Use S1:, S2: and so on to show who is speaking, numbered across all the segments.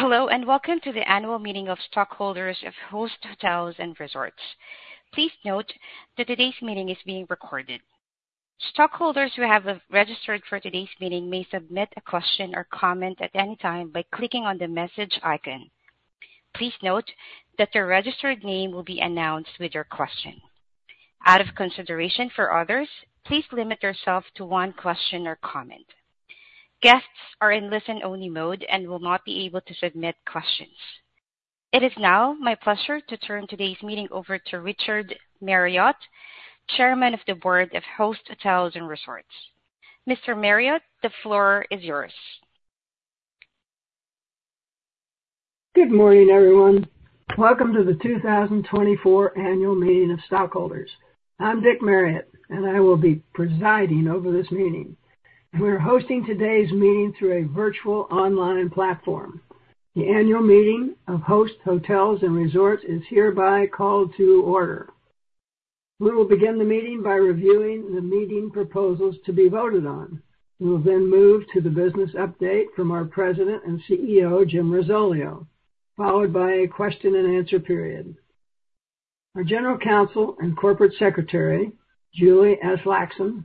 S1: Hello, and welcome to the annual meeting of stockholders of Host Hotels & Resorts. Please note that today's meeting is being recorded. Stockholders who have registered for today's meeting may submit a question or comment at any time by clicking on the message icon. Please note that your registered name will be announced with your question. Out of consideration for others, please limit yourself to one question or comment. Guests are in listen-only mode and will not be able to submit questions. It is now my pleasure to turn today's meeting over to Richard Marriott, Chairman of the Board of Host Hotels & Resorts. Mr. Marriott, the floor is yours.
S2: Good morning, everyone. Welcome to the 2024 Annual Meeting of Stockholders. I'm Dick Marriott, and I will be presiding over this meeting. We're hosting today's meeting through a virtual online platform. The annual meeting of Host Hotels & Resorts is hereby called to order. We will begin the meeting by reviewing the meeting proposals to be voted on. We will then move to the business update from our President and CEO, Jim Risoleo, followed by a question-and-answer period. Our General Counsel and Corporate Secretary, Julie Aslaksen, who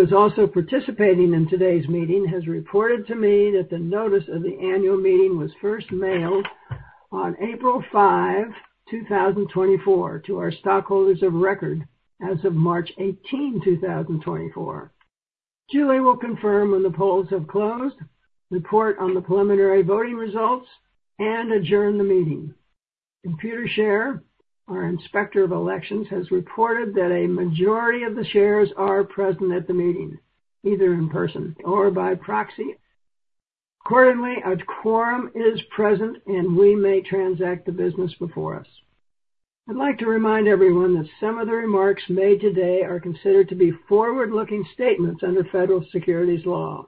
S2: is also participating in today's meeting, has reported to me that the notice of the annual meeting was first mailed on April 5, 2024, to our stockholders of record as of March 18, 2024. Julie will confirm when the polls have closed, report on the preliminary voting results, and adjourn the meeting. Computershare, our Inspector of Elections, has reported that a majority of the shares are present at the meeting, either in person or by proxy. Accordingly, a quorum is present, and we may transact the business before us. I'd like to remind everyone that some of the remarks made today are considered to be forward-looking statements under federal securities law.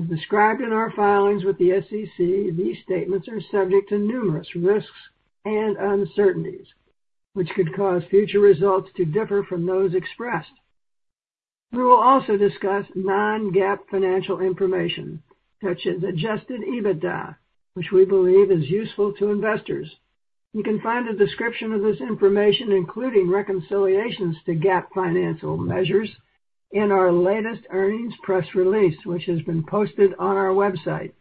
S2: As described in our filings with the SEC, these statements are subject to numerous risks and uncertainties, which could cause future results to differ from those expressed. We will also discuss non-GAAP financial information, such as adjusted EBITDA, which we believe is useful to investors. You can find a description of this information, including reconciliations to GAAP financial measures, in our latest earnings press release, which has been posted on our website.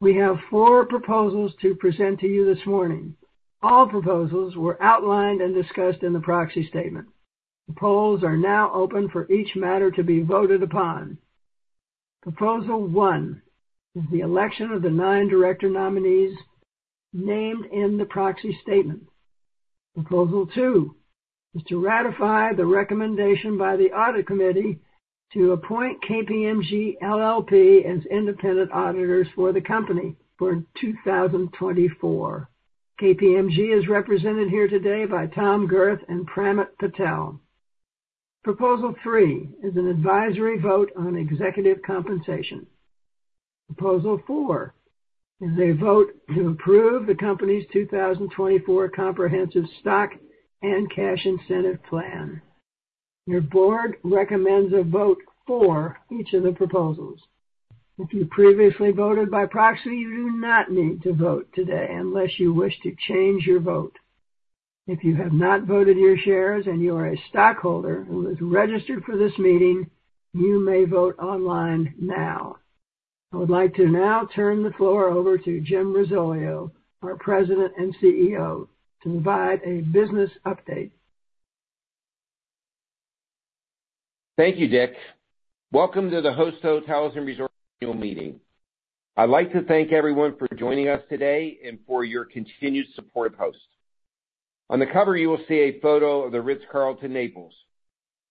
S2: We have four proposals to present to you this morning. All proposals were outlined and discussed in the proxy statement. The polls are now open for each matter to be voted upon. Proposal one is the election of the nine director nominees named in the proxy statement. Proposal two is to ratify the recommendation by the Audit Committee to appoint KPMG LLP as independent auditors for the company for 2024. KPMG is represented here today by Tom Gerth and Pramit Patel. Proposal three is an advisory vote on executive compensation. Proposal four is a vote to approve the company's 2024 Comprehensive Stock and Cash Incentive Plan. Your board recommends a vote for each of the proposals. If you previously voted by proxy, you do not need to vote today unless you wish to change your vote. If you have not voted your shares and you are a stockholder who is registered for this meeting, you may vote online now. I would like to now turn the floor over to Jim Risoleo, our President and CEO, to provide a business update.
S3: Thank you, Dick. Welcome to the Host Hotels & Resorts annual meeting. I'd like to thank everyone for joining us today and for your continued support of Host. On the cover, you will see a photo of the Ritz-Carlton Naples.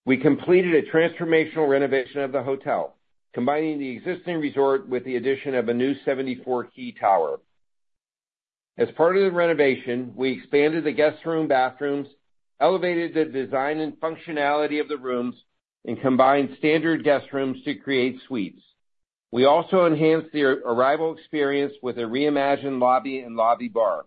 S3: We completed a transformational renovation of the hotel, combining the existing resort with the addition of a new 74-key tower. As part of the renovation, we expanded the guest room bathrooms, elevated the design and functionality of the rooms, and combined standard guest rooms to create suites. We also enhanced the arrival experience with a reimagined lobby and lobby bar.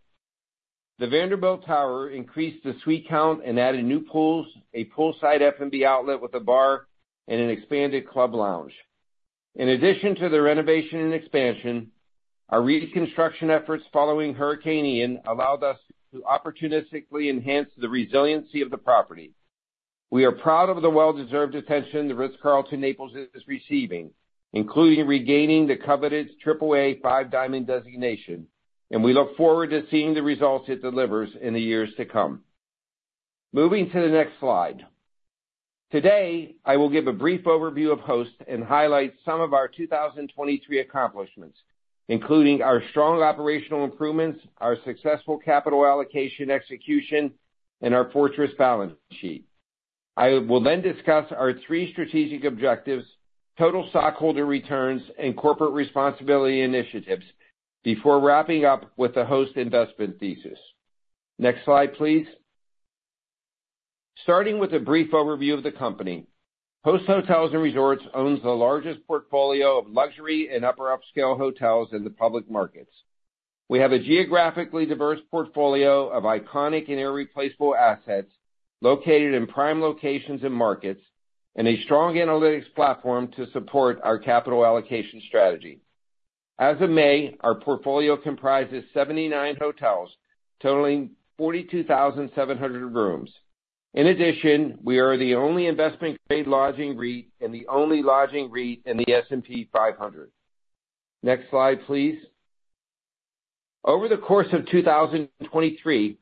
S3: The Vanderbilt Tower increased the suite count and added new pools, a poolside F&B outlet with a bar, and an expanded club lounge. In addition to the renovation and expansion, our reconstruction efforts following Hurricane Ian allowed us to opportunistically enhance the resiliency of the property. We are proud of the well-deserved attention The Ritz-Carlton, Naples is receiving, including regaining the coveted AAA Five Diamond designation, and we look forward to seeing the results it delivers in the years to come. Moving to the next slide. Today, I will give a brief overview of Host and highlight some of our 2023 accomplishments, including our strong operational improvements, our successful capital allocation execution, and our fortress balance sheet. I will then discuss our three strategic objectives, total stockholder returns, and corporate responsibility initiatives before wrapping up with the Host investment thesis. Next slide, please. Starting with a brief overview of the company, Host Hotels & Resorts owns the largest portfolio of luxury and upper upscale hotels in the public markets. We have a geographically diverse portfolio of iconic and irreplaceable assets located in prime locations and markets,... and a strong analytics platform to support our capital allocation strategy. As of May, our portfolio comprises 79 hotels, totaling 42,700 rooms. In addition, we are the only investment-grade lodging REIT and the only lodging REIT in the S&P 500. Next slide, please. Over the course of 2023,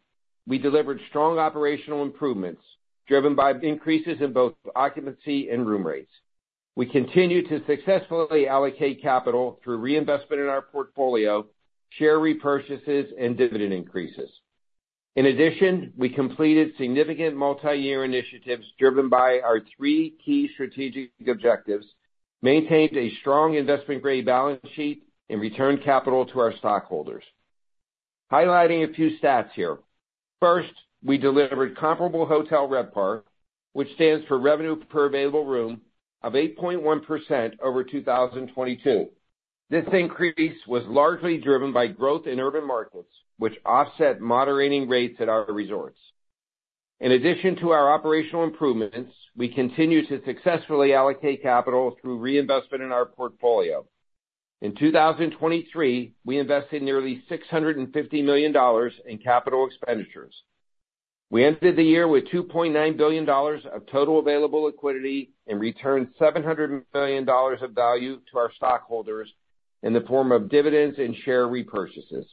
S3: we delivered strong operational improvements, driven by increases in both occupancy and room rates. We continued to successfully allocate capital through reinvestment in our portfolio, share repurchases, and dividend increases. In addition, we completed significant multiyear initiatives driven by our three key strategic objectives, maintained a strong investment-grade balance sheet, and returned capital to our stockholders. Highlighting a few stats here. First, we delivered comparable Hotel RevPAR, which stands for Revenue Per Available Room, of 8.1% over 2022. This increase was largely driven by growth in urban markets, which offset moderating rates at our resorts. In addition to our operational improvements, we continue to successfully allocate capital through reinvestment in our portfolio. In 2023, we invested nearly $650 million in capital expenditures. We ended the year with $2.9 billion of total available liquidity and returned $700 million of value to our stockholders in the form of dividends and share repurchases.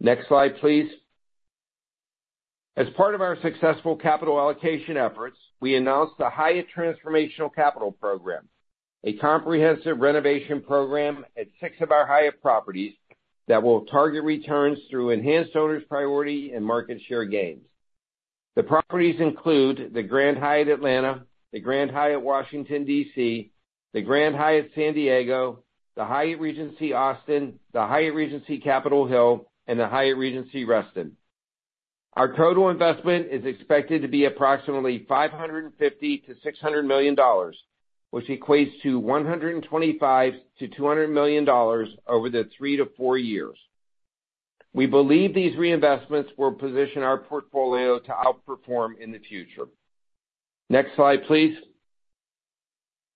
S3: Next slide, please. As part of our successful capital allocation efforts, we announced the Hyatt Transformational Capital Program, a comprehensive renovation program at six of our Hyatt properties that will target returns through enhanced owners' priority and market share gains. The properties include the Grand Hyatt Atlanta, the Grand Hyatt Washington, D.C., the Grand Hyatt San Diego, the Hyatt Regency Austin, the Hyatt Regency Capitol Hill, and the Hyatt Regency Reston. Our total investment is expected to be approximately $550 million-$600 million, which equates to $125 million-$200 million over the 3-4 years. We believe these reinvestments will position our portfolio to outperform in the future. Next slide, please.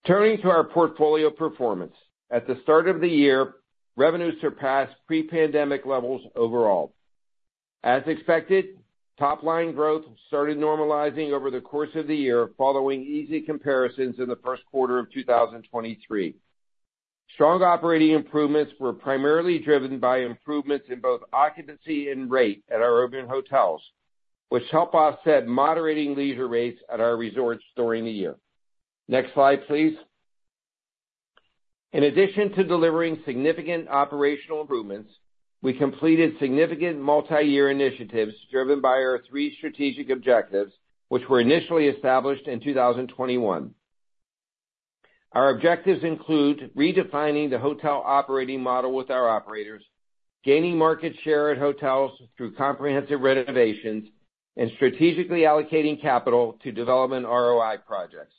S3: Turning to our portfolio performance. At the start of the year, revenue surpassed pre-pandemic levels overall. As expected, top-line growth started normalizing over the course of the year, following easy comparisons in the first quarter of 2023. Strong operating improvements were primarily driven by improvements in both occupancy and rate at our urban hotels, which helped offset moderating leisure rates at our resorts during the year. Next slide, please. In addition to delivering significant operational improvements, we completed significant multiyear initiatives driven by our 3 strategic objectives, which were initially established in 2021. Our objectives include redefining the hotel operating model with our operators, gaining market share at hotels through comprehensive renovations, and strategically allocating capital to development ROI projects.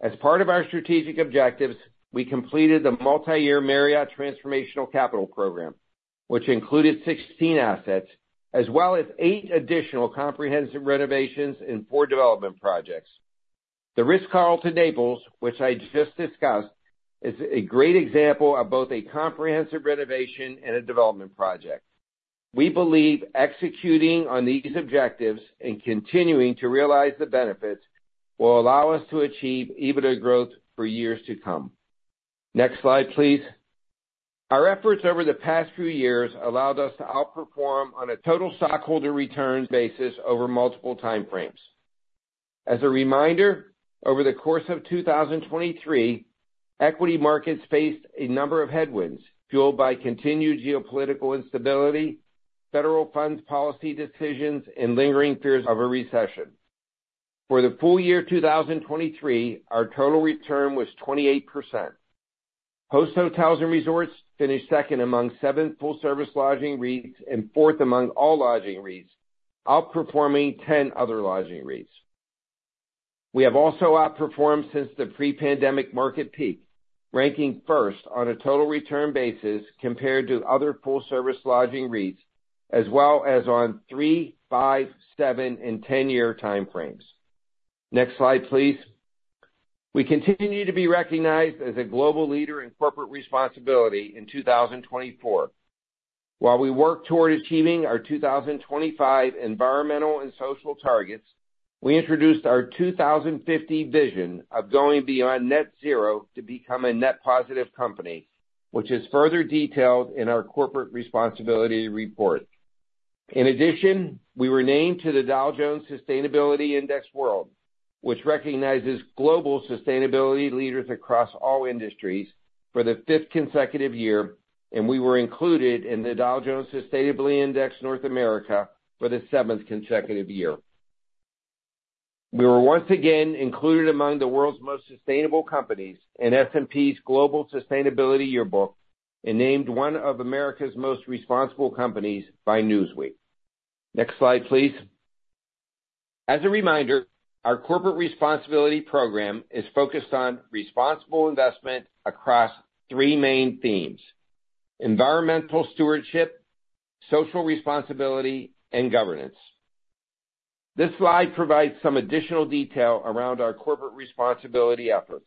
S3: As part of our strategic objectives, we completed the multiyear Marriott Transformational Capital Program, which included 16 assets, as well as 8 additional comprehensive renovations and 4 development projects. The Ritz-Carlton, Naples, which I just discussed, is a great example of both a comprehensive renovation and a development project. We believe executing on these objectives and continuing to realize the benefits will allow us to achieve EBITDA growth for years to come. Next slide, please. Our efforts over the past few years allowed us to outperform on a total stockholder returns basis over multiple time frames. As a reminder, over the course of 2023, equity markets faced a number of headwinds, fueled by continued geopolitical instability, federal funds policy decisions, and lingering fears of a recession. For the full year 2023, our total return was 28%. Host Hotels & Resorts finished second among 7 full-service lodging REITs and fourth among all lodging REITs, outperforming 10 other lodging REITs. We have also outperformed since the pre-pandemic market peak, ranking first on a total return basis compared to other full-service lodging REITs, as well as on 3-, 5-, 7-, and 10-year time frames. Next slide, please. We continue to be recognized as a global leader in corporate responsibility in 2024. While we work toward achieving our 2025 environmental and social targets, we introduced our 2050 vision of going beyond net zero to become a net positive company, which is further detailed in our corporate responsibility report. In addition, we were named to the Dow Jones Sustainability World Index, which recognizes global sustainability leaders across all industries for the 5th consecutive year, and we were included in the Dow Jones Sustainability North America Index for the 7th consecutive year. We were once again included among the world's most sustainable companies in S&P Global Sustainability Yearbook, and named one of America's most responsible companies by Newsweek. Next slide, please. As a reminder, our corporate responsibility program is focused on responsible investment across three main themes: environmental stewardship, social responsibility, and governance. This slide provides some additional detail around our corporate responsibility efforts.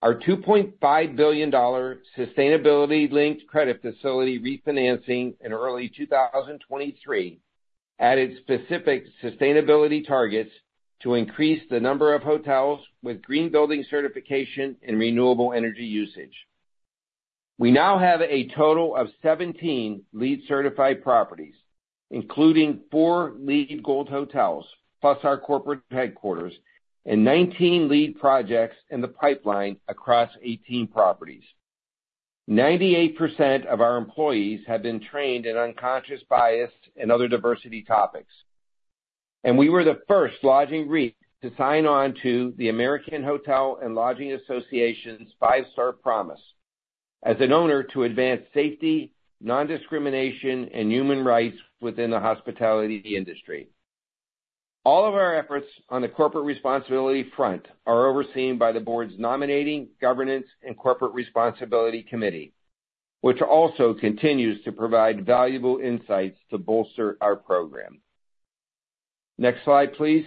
S3: Our $2.5 billion sustainability-linked credit facility refinancing in early 2023 added specific sustainability targets to increase the number of hotels with green building certification and renewable energy usage. We now have a total of 17 LEED certified properties, including four LEED Gold hotels, plus our corporate headquarters, and 19 LEED projects in the pipeline across 18 properties. 98% of our employees have been trained in unconscious bias and other diversity topics, and we were the first lodging REIT to sign on to the American Hotel & Lodging Association's Five Star Promise as an owner to advance safety, nondiscrimination, and human rights within the hospitality industry. All of our efforts on the corporate responsibility front are overseen by the board's Nominating, Governance, and Corporate Responsibility Committee, which also continues to provide valuable insights to bolster our program. Next slide, please.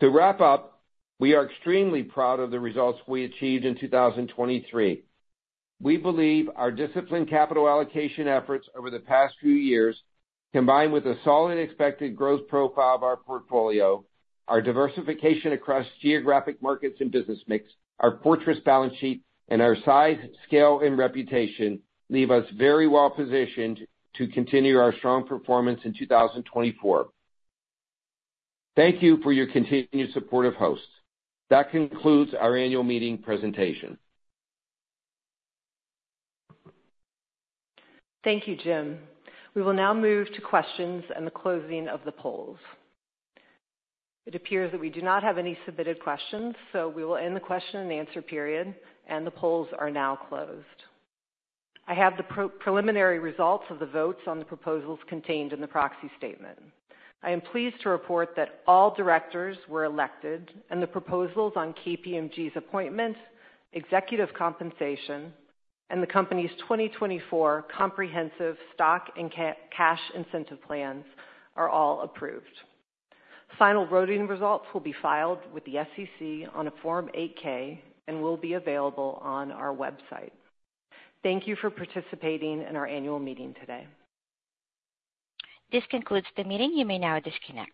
S3: To wrap up, we are extremely proud of the results we achieved in 2023. We believe our disciplined capital allocation efforts over the past few years, combined with a solid expected growth profile of our portfolio, our diversification across geographic markets and business mix, our fortress balance sheet, and our size, scale, and reputation, leave us very well positioned to continue our strong performance in 2024. Thank you for your continued support of Host. That concludes our annual meeting presentation.
S4: Thank you, Jim. We will now move to questions and the closing of the polls. It appears that we do not have any submitted questions, so we will end the question-and-answer period, and the polls are now closed. I have the preliminary results of the votes on the proposals contained in the proxy statement. I am pleased to report that all directors were elected, and the proposals on KPMG's appointments, executive compensation, and the company's 2024 comprehensive stock and cash incentive plans are all approved. Final voting results will be filed with the SEC on a Form 8-K and will be available on our website. Thank you for participating in our annual meeting today.
S1: This concludes the meeting. You may now disconnect.